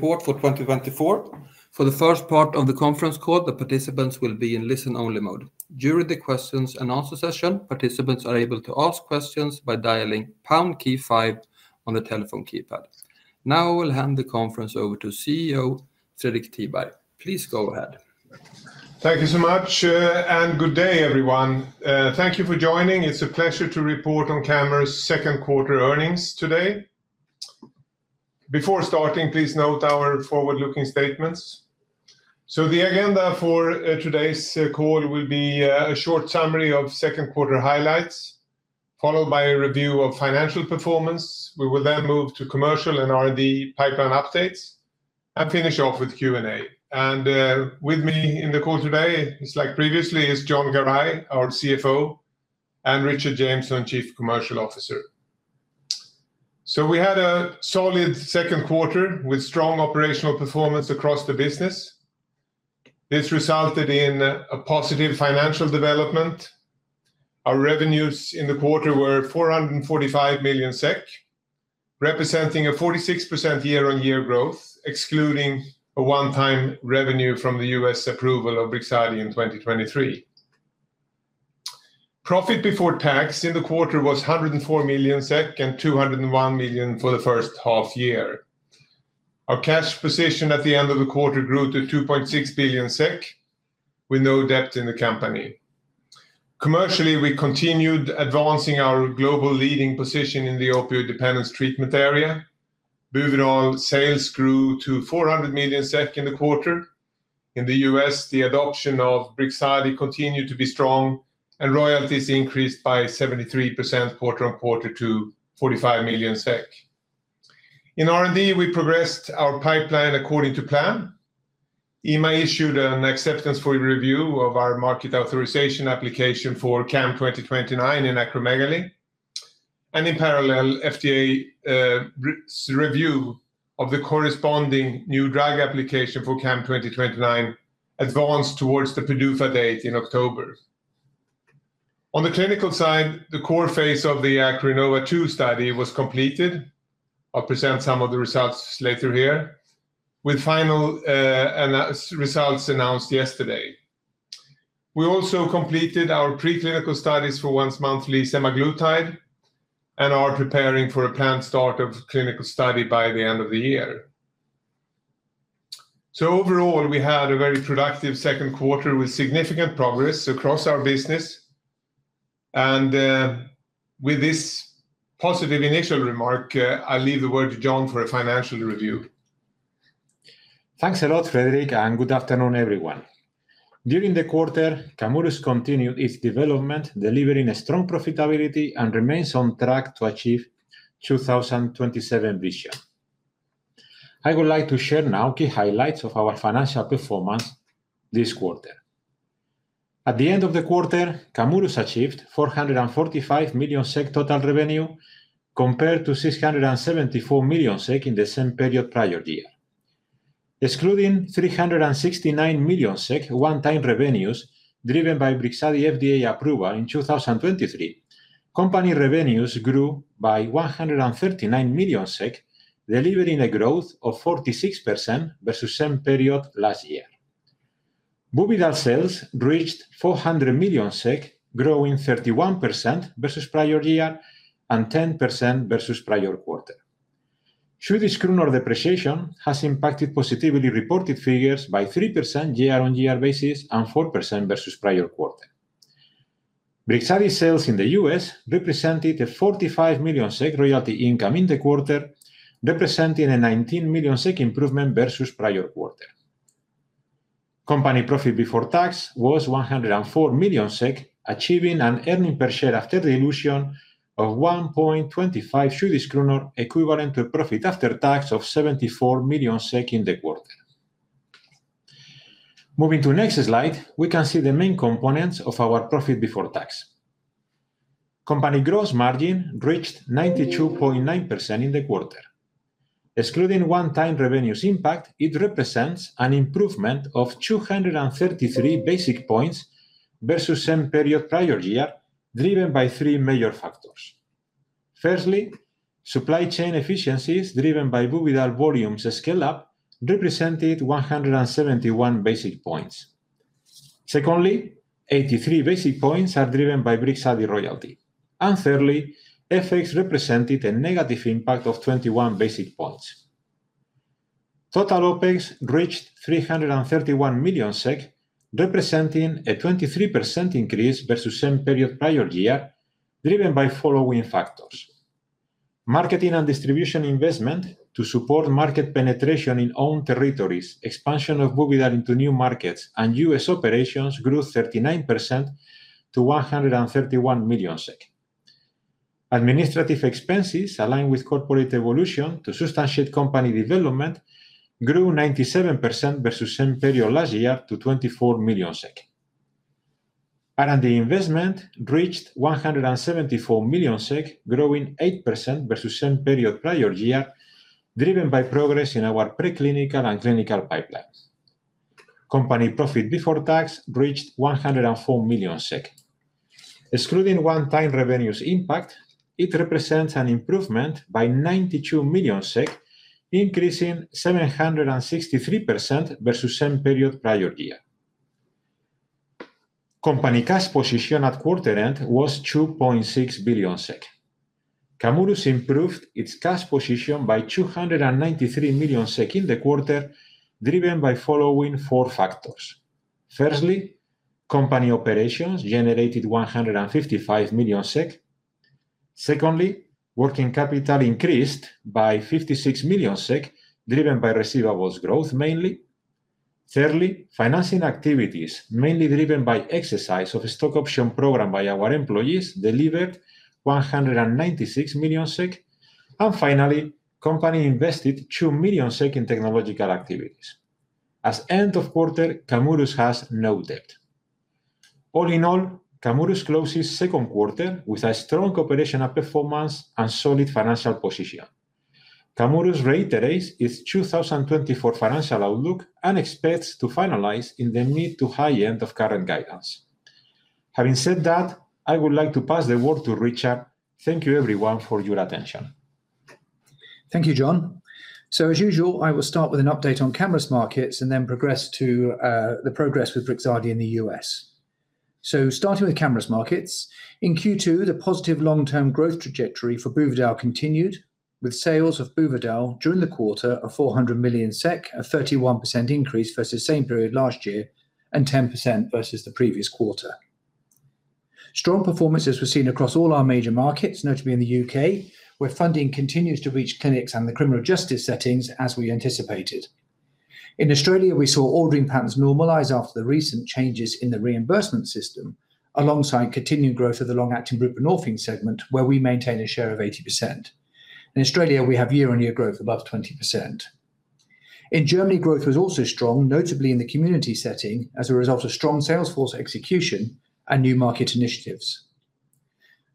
Report for 2024. For the first part of the conference call, the participants will be in listen-only mode. During the questions and answer session, participants are able to ask questions by dialing pound key five on the telephone keypad. Now, I will hand the conference over to CEO, Fredrik Tiberg. Please go ahead. Thank you so much, and good day, everyone. Thank you for joining. It's a pleasure to report on Camurus' second quarter earnings today. Before starting, please note our forward-looking statements. So the agenda for today's call will be a short summary of second quarter highlights, followed by a review of financial performance. We will then move to commercial and R&D pipeline updates, and finish off with Q&A. And with me in the call today, just like previously, is Jon Garay, our CFO, and Richard Jameson, Chief Commercial Officer. So we had a solid second quarter with strong operational performance across the business. This resulted in a positive financial development. Our revenues in the quarter were 445 million SEK, representing a 46% year-on-year growth, excluding a one-time revenue from the U.S. approval of Brixadi in 2023. Profit before tax in the quarter was 104 million SEK, and 201 million for the first half year. Our cash position at the end of the quarter grew to 2.6 billion SEK, with no debt in the company. Commercially, we continued advancing our global leading position in the opioid dependence treatment area. Buvidal sales grew to 400 million SEK in the quarter. In the U.S., the adoption of Brixadi continued to be strong, and royalties increased by 73% quarter-on-quarter to 45 million SEK. In R&D, we progressed our pipeline according to plan. EMA issued an acceptance for a review of our market authorization application for CAM2029 in acromegaly. In parallel, FDA review of the corresponding new drug application for CAM2029 advanced towards the PDUFA date in October. On the clinical side, the core phase of the ACROINNOVA 2 study was completed. I'll present some of the results later here, with final results announced yesterday. We also completed our preclinical studies for once-monthly semaglutide, and are preparing for a planned start of clinical study by the end of the year. So overall, we had a very productive second quarter with significant progress across our business. And with this positive initial remark, I leave the word to Jon for a financial review. Thanks a lot, Fredrik, and good afternoon, everyone. During the quarter, Camurus continued its development, delivering a strong profitability, and remains on track to achieve 2027 vision. I would like to share now key highlights of our financial performance this quarter. At the end of the quarter, Camurus achieved 445 million SEK total revenue, compared to 674 million SEK in the same period prior year. Excluding 369 million SEK one-time revenues, driven by Brixadi FDA approval in 2023, company revenues grew by 139 million SEK, delivering a growth of 46% versus same period last year. Buvidal sales reached 400 million SEK, growing 31% versus prior year, and 10% versus prior quarter. Swedish krona depreciation has impacted positively reported figures by 3% year-on-year basis, and 4% versus prior quarter. Brixadi sales in the U.S. represented a 45 million SEK royalty income in the quarter, representing a 19 million SEK improvement versus prior quarter. Company profit before tax was 104 million SEK, achieving an earnings per share after dilution of 1.25 Swedish krona, equivalent to a profit after tax of 74 million SEK in the quarter. Moving to the next slide, we can see the main components of our profit before tax. Company gross margin reached 92.9% in the quarter. Excluding one-time revenues impact, it represents an improvement of 233 basis points versus same period prior year, driven by three major factors. Firstly, supply chain efficiencies driven by Buvidal volumes scale-up represented 171 basis points. Secondly, 83 basis points are driven by Brixadi royalty. And thirdly, FX represented a negative impact of 21 basis points. Total OpEx reached 331 million SEK, representing a 23% increase versus same period prior year, driven by following factors. Marketing and distribution investment to support market penetration in own territories, expansion of Buvidal into new markets, and U.S. operations grew 39% to 131 million SEK. Administrative expenses, aligned with corporate evolution to substantiate company development, grew 97% versus same period last year to 24 million SEK. R&D investment reached 174 million SEK, growing 8% versus same period prior year, driven by progress in our preclinical and clinical pipelines. Company profit before tax reached 104 million SEK. Excluding one-time revenues impact, it represents an improvement by 92 million SEK, increasing 763% versus same period prior year. Company cash position at quarter end was 2.6 billion SEK. Camurus improved its cash position by 293 million SEK in the quarter, driven by following four factors. Firstly, company operations generated 155 million SEK. Secondly, working capital increased by 56 million SEK, driven by receivables growth mainly. Thirdly, financing activities, mainly driven by exercise of a stock option program by our employees, delivered 196 million SEK. And finally, company invested two million SEK in technological activities. As end of quarter, Camurus has no debt. All in all, Camurus closes second quarter with a strong operational performance and solid financial position. Camurus reiterates its 2024 financial outlook and expects to finalize in the mid to high end of current guidance. Having said that, I would like to pass the word to Richard. Thank you everyone for your attention. Thank you, Jon. So as usual, I will start with an update on Camurus markets and then progress to the progress with Brixadi in the U.S.. So starting with Camurus markets, in second quarter, the positive long-term growth trajectory for Buvidal continued, with sales of Buvidal during the quarter of 400 million SEK, a 31% increase versus same period last year, and 10% versus the previous quarter. Strong performances were seen across all our major markets, notably in the U.K., where funding continues to reach clinics and the criminal justice settings, as we anticipated. In Australia, we saw ordering patterns normalize after the recent changes in the reimbursement system, alongside continued growth of the long-acting buprenorphine segment, where we maintain a share of 80%. In Australia, we have year-on-year growth above 20%. In Germany, growth was also strong, notably in the community setting, as a result of strong sales force execution and new market initiatives.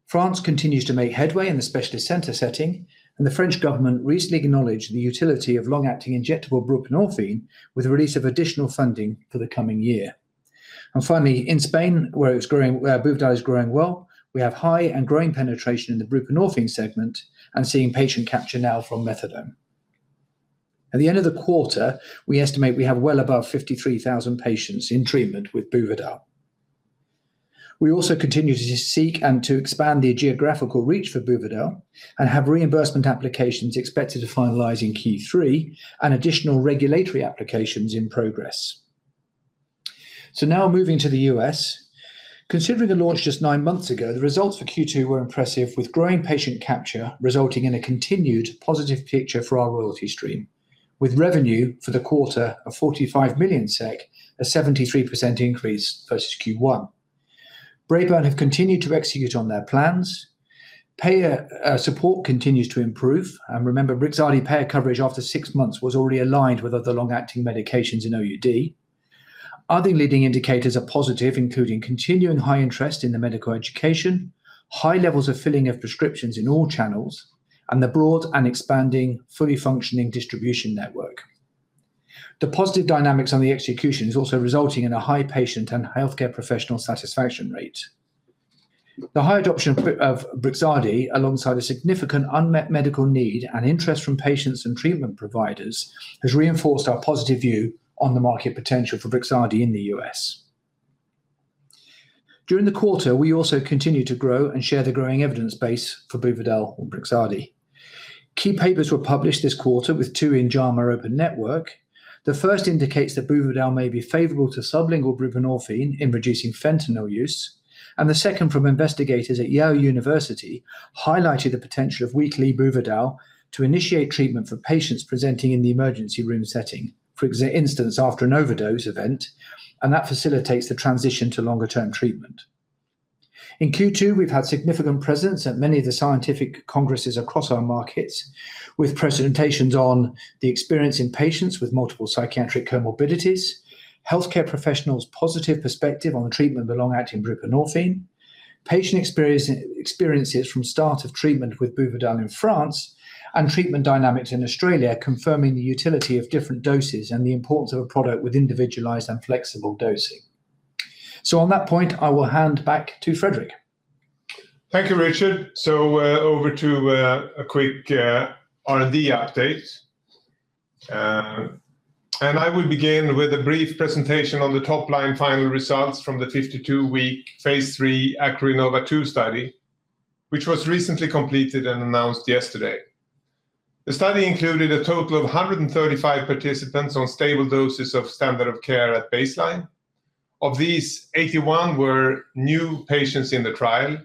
France continues to make headway in the specialist center setting, and the French government recently acknowledged the utility of long-acting injectable buprenorphine with the release of additional funding for the coming year. And finally, in Spain, where Buvidal is growing well, we have high and growing penetration in the buprenorphine segment and seeing patient capture now from methadone. At the end of the quarter, we estimate we have well above 53,000 patients in treatment with Buvidal. We also continue to seek and to expand the geographical reach for Buvidal, and have reimbursement applications expected to finalize in Q3, and additional regulatory applications in progress. So now moving to the U.S. Considering the launch just nine months ago, the results for second quarter were impressive, with growing patient capture resulting in a continued positive picture for our royalty stream, with revenue for the quarter of 45 million SEK, a 73% increase versus Q1. Braeburn have continued to execute on their plans. Payer support continues to improve. And remember, Brixadi payer coverage after six months was already aligned with other long-acting medications in OUD. Other leading indicators are positive, including continuing high interest in the medical education, high levels of filling of prescriptions in all channels, and the broad and expanding, fully functioning distribution network. The positive dynamics on the execution is also resulting in a high patient and healthcare professional satisfaction rate. The high adoption of Brixadi, alongside a significant unmet medical need and interest from patients and treatment providers, has reinforced our positive view on the market potential for Brixadi in the U.S. During the quarter, we also continued to grow and share the growing evidence base for Buvidal or Brixadi. Key papers were published this quarter, with two in JAMA Open Network. The first indicates that Buvidal may be favorable to sublingual buprenorphine in reducing fentanyl use. The second, from investigators at Yale University, highlighted the potential of weekly Buvidal to initiate treatment for patients presenting in the emergency room setting, for instance, after an overdose event, and that facilitates the transition to longer-term treatment. In Q2, we've had significant presence at many of the scientific congresses across our markets, with presentations on the experience in patients with multiple psychiatric comorbidities, healthcare professionals' positive perspective on the treatment of long-acting buprenorphine, patient experience, experiences from start of treatment with Buvidal in France, and treatment dynamics in Australia, confirming the utility of different doses and the importance of a product with individualized and flexible dosing. On that point, I will hand back to Fredrik. Thank you, Richard. Over to a quick R&D update. I will begin with a brief presentation on the top-line final results from the 52-week phase three ACROINNOVA 2 study, which was recently completed and announced yesterday. The study included a total of 135 participants on stable doses of standard of care at baseline. Of these, 81 were new patients in the trial,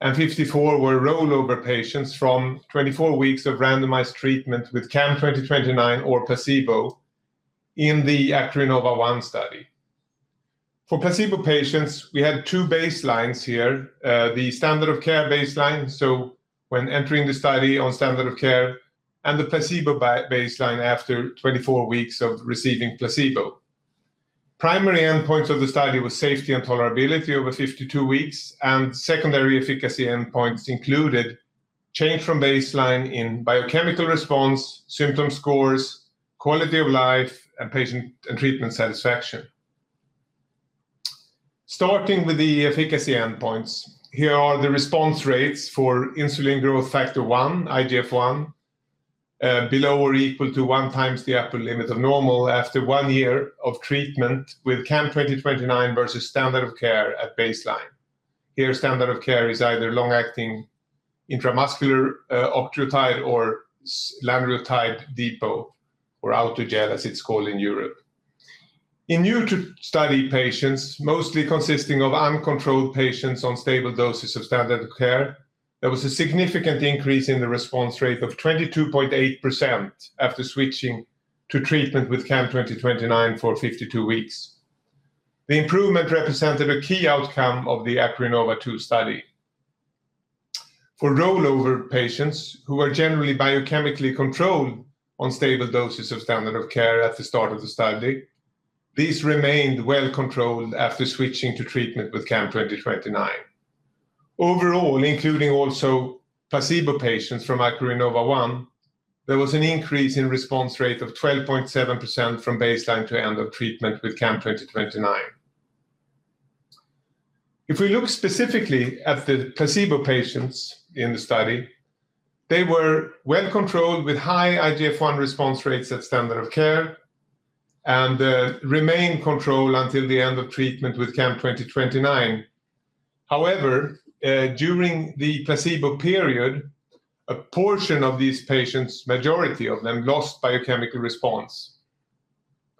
and 54 were rollover patients from 24 weeks of randomized treatment with CAM2029 or placebo in the ACROINNOVA1 study. For placebo patients, we had two baselines here, the standard of care baseline, so when entering the study on standard of care, and the placebo baseline after 24 weeks of receiving placebo. Primary endpoints of the study were safety and tolerability over 52 weeks, and secondary efficacy endpoints included. Change from baseline in biochemical response, symptom scores, quality of life, and patient and treatment satisfaction. Starting with the efficacy endpoints, here are the response rates for insulin-like growth factor one, IGF-1, below or equal to one times the upper limit of normal after one year of treatment with CAM2029 versus standard of care at baseline. Here, standard of care is either long-acting intramuscular Octreotide or lanreotide depot, or Autogel, as it's called in Europe. In new-to-study patients, mostly consisting of uncontrolled patients on stable doses of standard care, there was a significant increase in the response rate of 22.8% after switching to treatment with CAM2029 for 52 weeks. The improvement represented a key outcome of the ACROINNOVA 2 study. For rollover patients, who were generally biochemically controlled on stable doses of standard of care at the start of the study, these remained well controlled after switching to treatment with CAM2029. Overall, including also placebo patients from ACROINNOVA 1, there was an increase in response rate of 12.7% from baseline to end of treatment with CAM2029. If we look specifically at the placebo patients in the study, they were well controlled with high IGF-1 response rates at standard of care, and remained controlled until the end of treatment with CAM2029. However, during the placebo period, a portion of these patients, majority of them, lost biochemical response.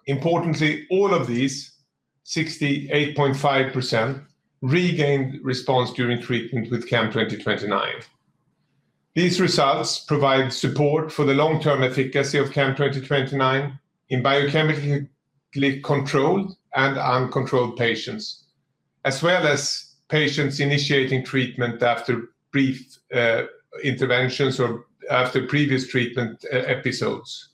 Importantly, all of these, 68.5%, regained response during treatment with CAM2029. These results provide support for the long-term efficacy of CAM2029 in biochemically controlled and uncontrolled patients, as well as patients initiating treatment after brief interventions or after previous treatment episodes.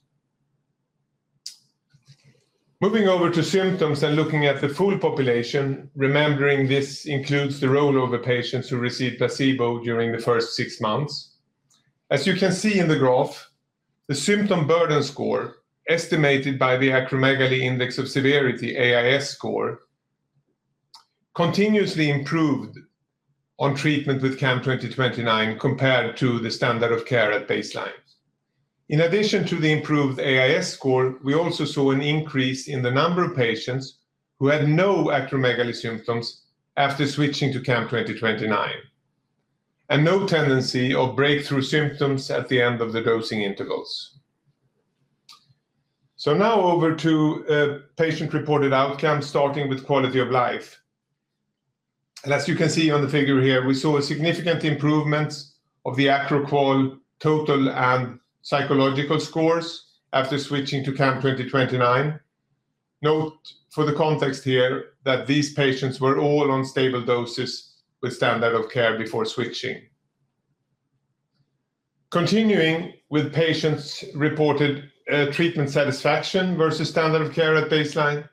Moving over to symptoms and looking at the full population, remembering this includes the rollover patients who received placebo during the first six months. As you can see in the graph, the symptom burden score, estimated by the Acromegaly Index of Severity, AIS score, continuously improved on treatment with CAM2029, compared to the standard of care at baseline. In addition to the improved AIS score, we also saw an increase in the number of patients who had no acromegaly symptoms after switching to CAM2029, and no tendency or breakthrough symptoms at the end of the dosing intervals. So now over to patient-reported outcomes, starting with quality of life. And as you can see on the figure here, we saw a significant improvement of the AcroQol total and psychological scores after switching to CAM2029. Note for the context here, that these patients were all on stable doses with standard of care before switching. Continuing with patients' reported treatment satisfaction versus standard of care at baseline,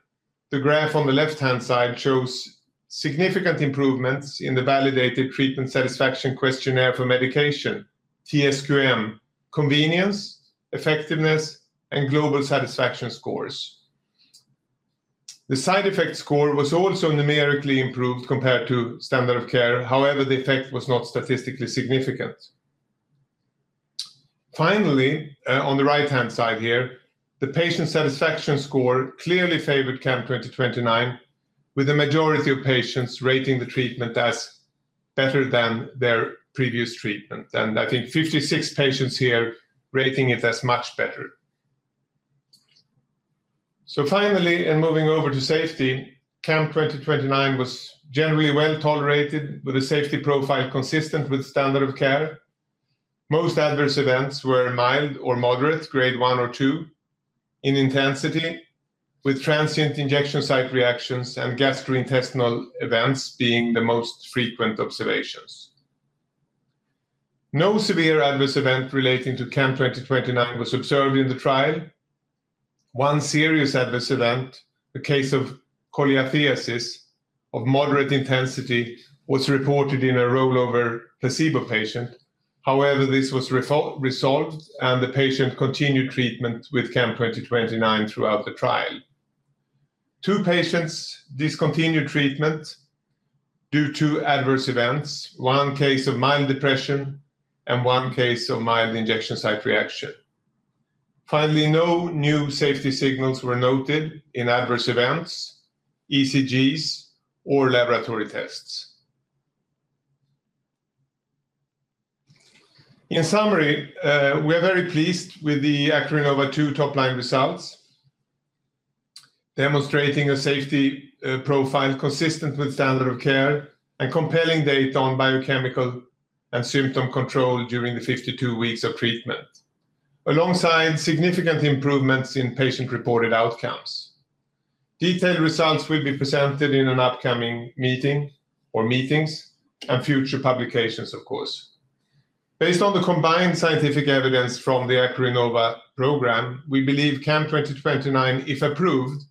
the graph on the left-hand side shows significant improvements in the Validated Treatment Satisfaction Questionnaire for Medication, TSQM, convenience, effectiveness, and global satisfaction scores. The side effect score was also numerically improved compared to standard of care. However, the effect was not statistically significant. Finally, on the right-hand side here, the patient satisfaction score clearly favored CAM2029, with the majority of patients rating the treatment as better than their previous treatment, and I think 56 patients here rating it as much better. So finally, in moving over to safety, CAM2029 was generally well-tolerated, with a safety profile consistent with standard of care. Most adverse events were mild or moderate, grade one or two in intensity, with transient injection site reactions and gastrointestinal events being the most frequent observations. No severe adverse event relating to CAM2029 was observed in the trial. One serious adverse event, a case of cholelithiasis of moderate intensity, was reported in a rollover placebo patient. However, this was resolved, and the patient continued treatment with CAM2029 throughout the trial. Two patients discontinued treatment due to adverse events, one case of mild depression and one case of mild injection site reaction. Finally, no new safety signals were noted in adverse events, ECGs or laboratory tests. In summary, we are very pleased with the ACROINNOVA 2 top-line results, demonstrating a safety profile consistent with standard of care and compelling data on biochemical and symptom control during the 52 weeks of treatment, alongside significant improvements in patient-reported outcomes. Detailed results will be presented in an upcoming meeting or meetings and future publications, of course. Based on the combined scientific evidence from the ACROINNOVA program, we believe CAM2029, if approved,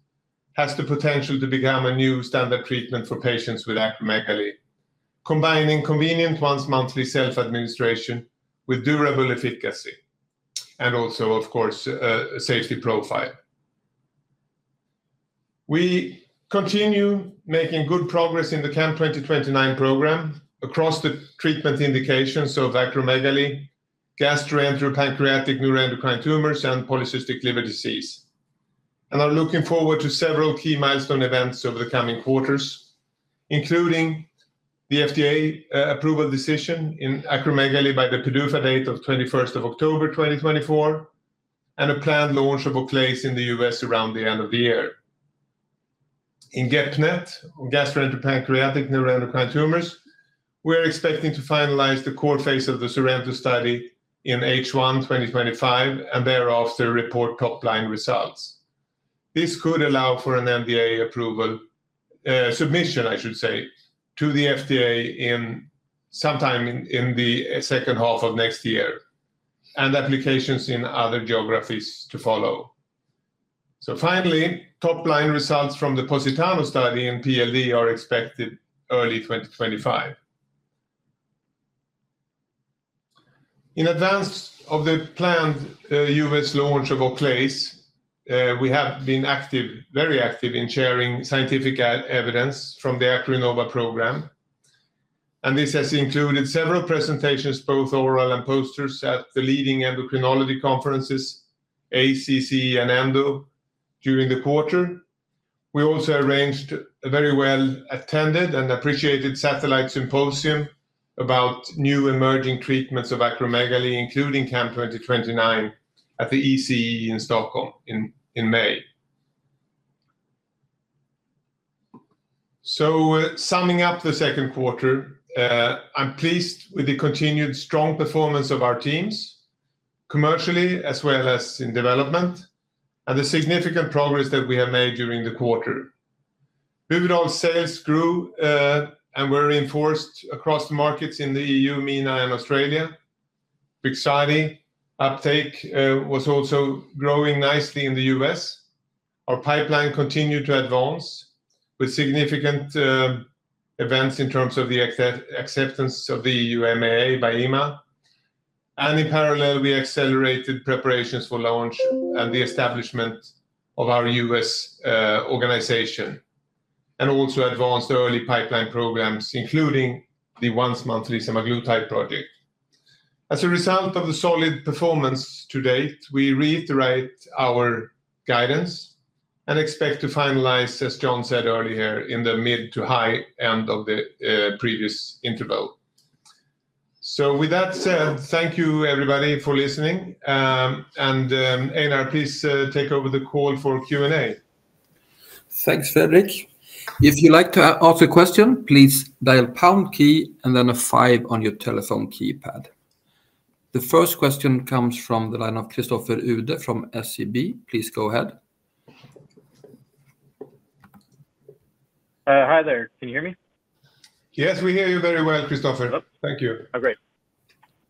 has the potential to become a new standard treatment for patients with acromegaly, combining convenient once monthly self-administration with durable efficacy, and also, of course, a safety profile. We continue making good progress in the CAM2029 program across the treatment indications of acromegaly, gastroenteropancreatic neuroendocrine tumors, and polycystic liver disease. Are looking forward to several key milestone events over the coming quarters, including the FDA approval decision in acromegaly by the PDUFA date of 21st of October 2024, and a planned launch of Oclaiz in the U.S. around the end of the year. In GEP-NET, or gastroenteropancreatic neuroendocrine tumors, we are expecting to finalize the core phase of the SORENTO study in H1 2025, and thereafter, report top-line results. This could allow for an NDA approval submission, I should say, to the FDA sometime in the second half of next year, and applications in other geographies to follow. Finally, top-line results from the POSITANO study in PLD are expected early 2025. In advance of the planned U.S. launch of Oclaiz, we have been active, very active in sharing scientific evidence from the ACROINNOVA program. And this has included several presentations, both oral and posters, at the leading endocrinology conferences, ACC and ENDO, during the quarter. We also arranged a very well-attended and appreciated satellite symposium about new emerging treatments of acromegaly, including CAM2029 at the ECE in Stockholm in May. So summing up the second quarter, I'm pleased with the continued strong performance of our teams, commercially, as well as in development, and the significant progress that we have made during the quarter. Buvidal sales grew and were reinforced across the markets in the EU, MENA, and Australia. Brixadi uptake was also growing nicely in the U.S.. Our pipeline continued to advance with significant events in terms of the acceptance of the EU MAA by EMA. In parallel, we accelerated preparations for launch and the establishment of our U.S. organization, and also advanced early pipeline programs, including the once-monthly Semaglutide project. As a result of the solid performance to date, we reiterate our guidance and expect to finalize, as John said earlier, in the mid to high end of the previous interval. With that said, thank you everybody for listening. Einar, please, take over the call for Q&A. Thanks, Fredrik. If you'd like to ask a question, please dial pound key and then a five on your telephone keypad. The first question comes from the line of Christopher Uhde from SEB. Please go ahead. Hi there. Can you hear me? Yes, we hear you very well, Christopher. Oh. Thank you. Oh, great.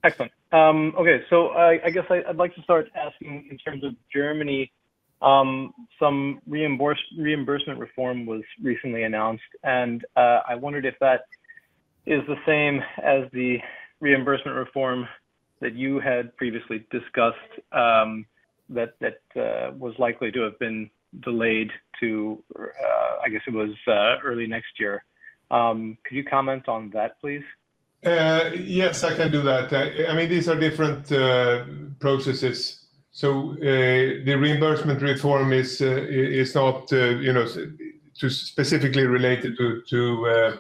Excellent. Okay, so I guess I'd like to start asking in terms of Germany, some reimbursement reform was recently announced, and I wondered if that is the same as the reimbursement reform that you had previously discussed, that was likely to have been delayed to, I guess it was, early next year. Could you comment on that, please? Yes, I can do that. I mean, these are different processes. The reimbursement reform is not, you know, specifically related to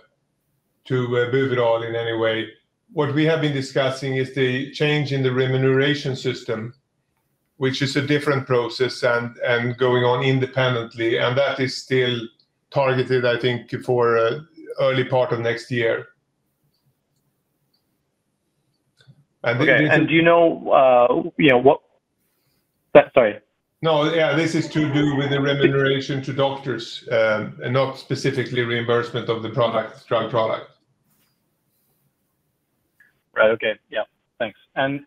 Buvidal in any way. What we have been discussing is the change in the remuneration system, which is a different process and going on independently, and that is still targeted, I think, for early part of next year. And do you know, you know, what. Sorry. No, yeah, this is to do with the remuneration to doctors, and not specifically reimbursement of the product, drug product. Right. Okay. Yeah. Thanks. And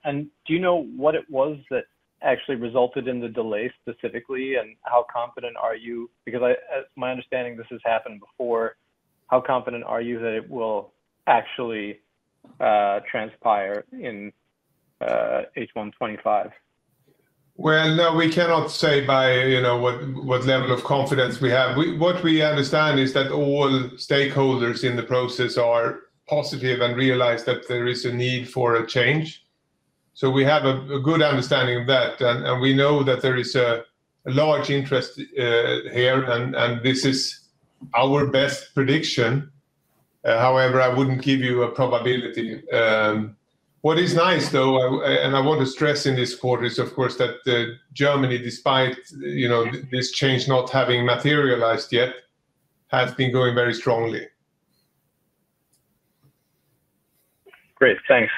do you know what it was that actually resulted in the delay, specifically, and how confident are you, because I, as my understanding, this has happened before, how confident are you that it will actually transpire in H1 2025? Well, no, we cannot say by, you know, what level of confidence we have. What we understand is that all stakeholders in the process are positive and realize that there is a need for a change. So we have a good understanding of that, and we know that there is a large interest here, and this is our best prediction. However, I wouldn't give you a probability. What is nice, though, and I want to stress in this quarter, is, of course, that Germany, despite, you know, this change not having materialized yet, has been growing very strongly. Great, thanks.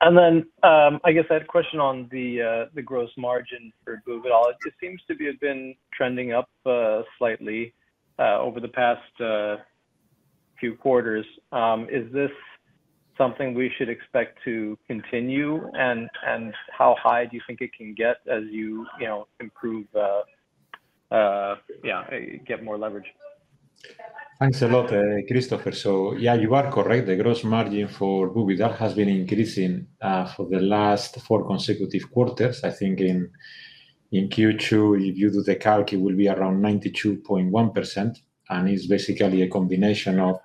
And then, I guess I had a question on the gross margin for Buvidal. It just seems to have been trending up slightly over the past few quarters. Is this something we should expect to continue? And how high do you think it can get as you, you know, improve, yeah, get more leverage? Thanks a lot, Christopher. So yeah, you are correct. The gross margin for Buvidal has been increasing for the last four consecutive quarters. I think in Q2, if you do the calc, it will be around 92.1%, and it's basically a combination of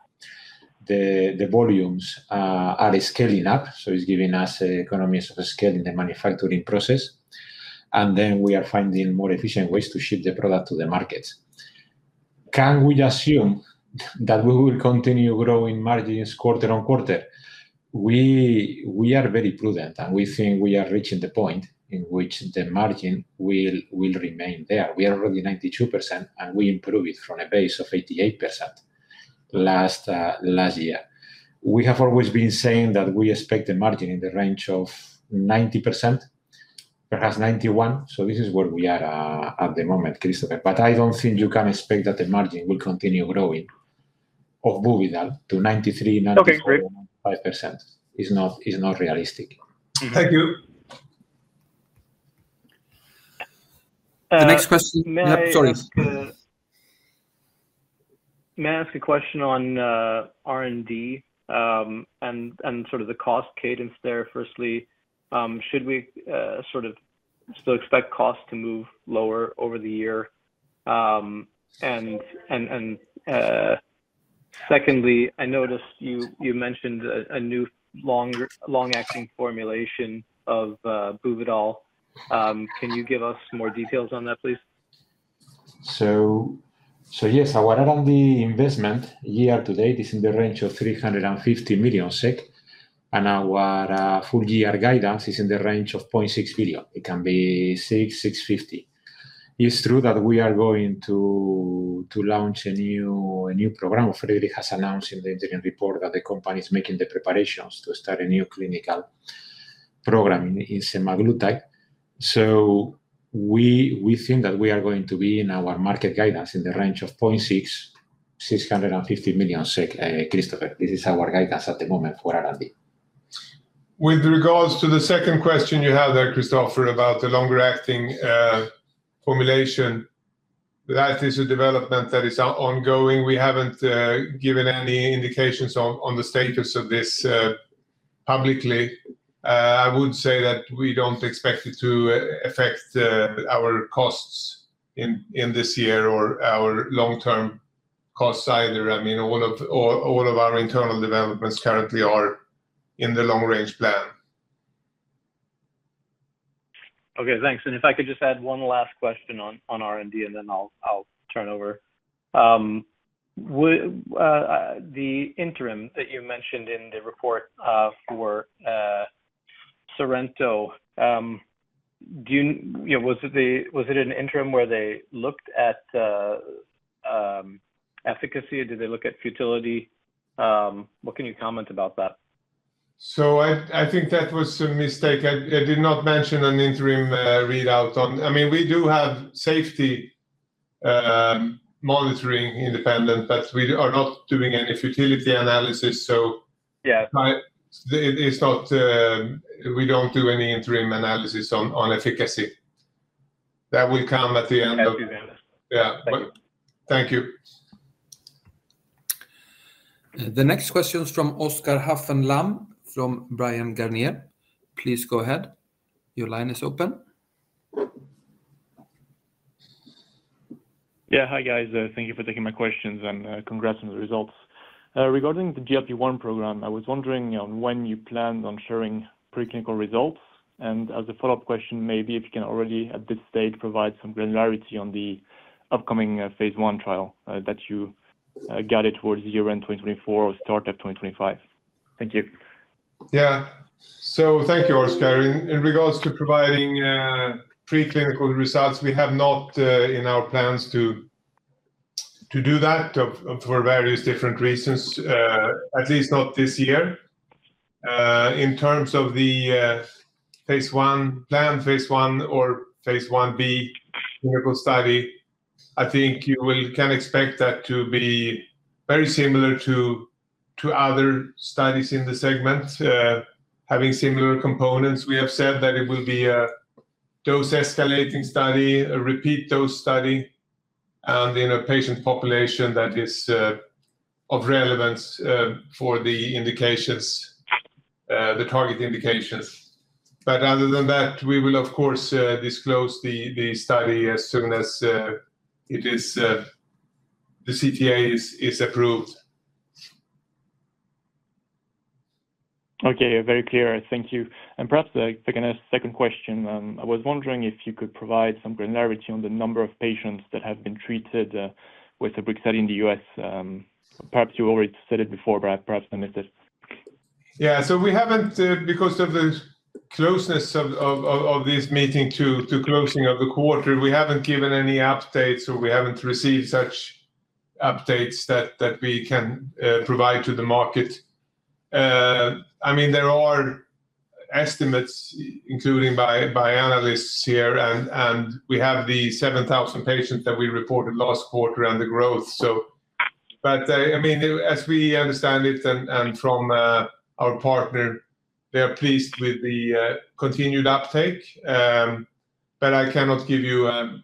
the volumes are scaling up, so it's giving us economies of scale in the manufacturing process. And then we are finding more efficient ways to ship the product to the market. Can we assume that we will continue growing margins quarter on quarter? We are very prudent, and we think we are reaching the point in which the margin will remain there. We are already 92%, and we improved it from a base of 88% last year. We have always been saying that we expect the margin in the range of 90%, perhaps 91, so this is where we are at the moment, Christopher. But I don't think you can expect that the margin will continue growing of Buvidal to 93, 94, 5%. It's not, it's not realistic. Thank you. May I ask a question on R&D, and sort of the cost cadence there, firstly? Should we sort of still expect costs to move lower over the year? And secondly, I noticed you mentioned a new longer long-acting formulation of Buvidal. Can you give us more details on that, please? Yes, our R&D investment year to date is in the range of 350 million SEK, and our full year guidance is in the range of 0.6 billion. It can be 600-650. It's true that we are going to launch a new program. Fredrik has announced in the interim report that the company is making the preparations to start a new clinical program in Semaglutide. So we think that we are going to be in our market guidance in the range of 600-650 million SEK, Christopher. This is our guidance at the moment for R&D. With regards to the second question you had there, Christopher, about the longer-acting formulation, that is a development that is ongoing. We haven't given any indications on the status of this publicly. I would say that we don't expect it to affect our costs in this year or our long-term cost either. I mean, all of our internal developments currently are in the long-range plan. Okay, thanks. And if I could just add one last question on R&D, and then I'll turn over. The interim that you mentioned in the report for SORENTO, do you. You know, was it an interim where they looked at efficacy, or did they look at futility? What can you comment about that? I think that was a mistake. I did not mention an interim readout on... I mean, we do have safety monitoring independent, but we are not doing any futility analysis, so but it's not, we don't do any interim analysis on efficacy. That will come at the end of, Yeah. Thank you. The next question is from Oscar Haffen Lamm from Bryan Garnier. Please go ahead. Your line is open. Yeah. Hi, guys, thank you for taking my questions, and, congrats on the results. Regarding the GLP-1 program, I was wondering on when you planned on sharing preclinical results? And as a follow-up question, maybe if you can already, at this stage, provide some granularity on the upcoming, phase one trial, that you, guided towards the year-end 2024 or start of 2025. Thank you. Yeah. So thank you, Oscar. In regards to providing preclinical results, we have not in our plans to do that for various different reasons, at least not this year. In terms of the phase one plan, phase 1 or phase 1B clinical study, I think you can expect that to be very similar to other studies in the segment, having similar components. We have said that it will be a dose-escalating study, a repeat dose study, and in a patient population that is of relevance for the indications, the target indications. But other than that, we will of course disclose the study as soon as the CTA is approved. Okay. Very clear. Thank you. Perhaps the second, second question. I was wondering if you could provide some granularity on the number of patients that have been treated with Brixadi in the U.S.. Perhaps you already said it before, but I perhaps missed it. Yeah. So we haven't, because of the closeness of this meeting to closing of the quarter, we haven't given any updates, or we haven't received such updates that we can provide to the market. I mean, there are estimates, including by analysts here, and we have the 7,000 patients that we reported last quarter and the growth. So, but, I mean, as we understand it and from our partner, they are pleased with the continued uptake. But I cannot give you a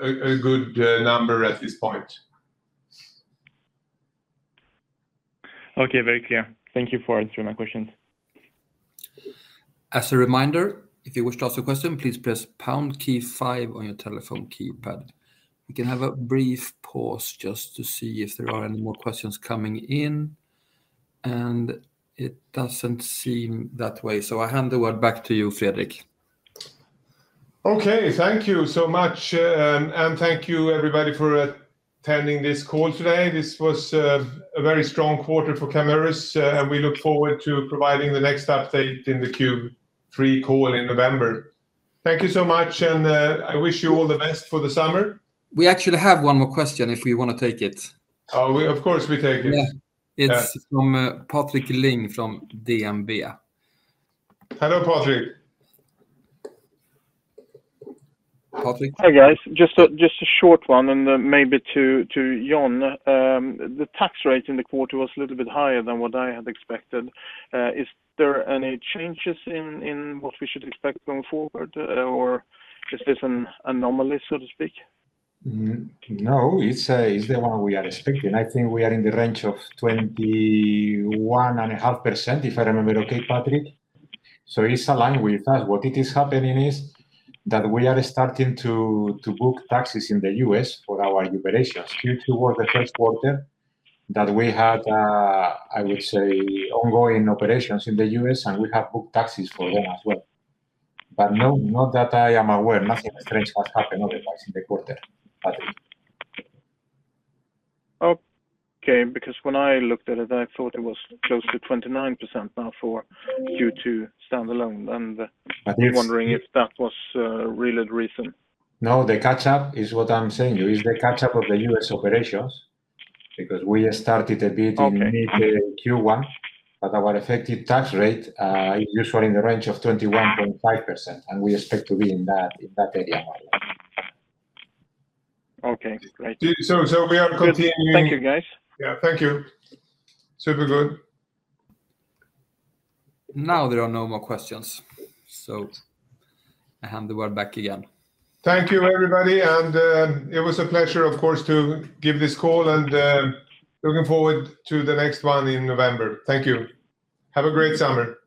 good number at this point. Okay. Very clear. Thank you for answering my questions. As a reminder, if you wish to ask a question, please press pound key five on your telephone keypad. We can have a brief pause just to see if there are any more questions coming in, and it doesn't seem that way, so I hand the word back to you, Fredrik. Okay. Thank you so much, and, and thank you, everybody, for attending this call today. This was a very strong quarter for Camurus, and we look forward to providing the next update in the Q3 call in November. Thank you so much, and I wish you all the best for the summer. We actually have one more question if we wanna take it. Oh, of course, we take it. Yeah. Yeah. It's from, Patrick Ling from DNB. Hello, Patrick. Patrick? Hi, guys. Just a short one, and maybe to Jon. The tax rate in the quarter was a little bit higher than what I had expected. Is there any changes in what we should expect going forward, or is this an anomaly, so to speak? No, it's the one we are expecting. I think we are in the range of 21.5%, if I remember okay, Patrick. So it's aligned with that. What it is happening is that we are starting to book taxes in the U.S. for our operations. Q2 was the first quarter that we had, I will say, ongoing operations in the U.S., and we have booked taxes for them as well. But no, not that I am aware. Nothing strange has happened otherwise in the quarter, Patrick. Okay, because when I looked at it, I thought it was close to 29% now for Q2 standalone, and, I'm wondering if that was really the reason. No, the catch up is what I'm saying to you. It's the catch up of the U.S. operations, because we started a bit-in mid Q1, but our effective tax rate is usually in the range of 21.5%, and we expect to be in that, in that area now. Okay, great. So we are continuing- Thank you, guys. Yeah, thank you. Super good. Now there are no more questions, so I hand the word back again. Thank you, everybody, and, it was a pleasure, of course, to give this call and, looking forward to the next one in November. Thank you. Have a great summer!